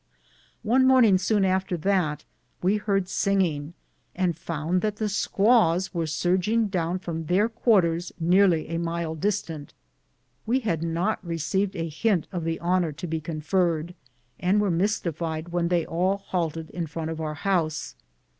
One morning soon after that we heard singing, and found that the squaws were surging down from their quarters nearly a mile distant. We had not received a hint of the honor to be conferred, and were mystified when they all halted in front of our house.